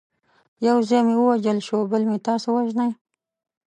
یو زوی مې ووژل شو بل مې تاسي وژنئ.